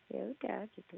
ya udah gitu